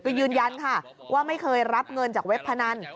ก็ยืนยันค่ะว่าไม่เคยรับเงินจากเว็บพนัน